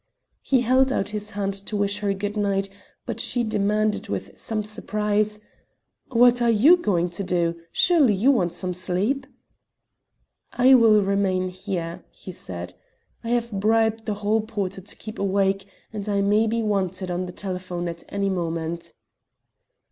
He held out his hand to wish her good night, but she demanded with some surprise, "What are you going to do? Surely you want some sleep?" "I will remain here," he said. "I have bribed the hall porter to keep awake, and I may be wanted on the telephone at any moment."